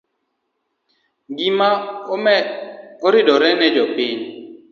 Ngima oridore ne jopiny